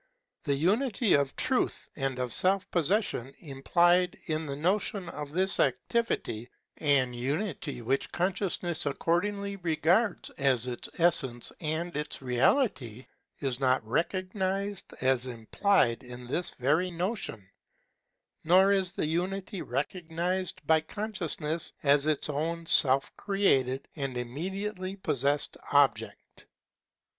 The unity of truth and of self possession im plied in the notion of this activity, an unity which consciousness accordingly regards as its essence and its reality, is not recog nized as implied in this very notion* Nor is the unity recognized by consciousness as its own self created and immediately pos sessed object.